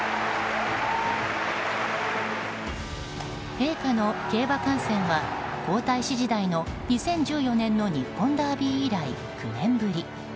陛下の競馬観戦は、皇太子時代の２０１４年の日本ダービー以来９年ぶり。